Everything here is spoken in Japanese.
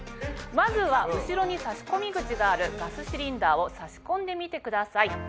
まずは後ろに差し込み口があるガスシリンダーを差し込んでみてください。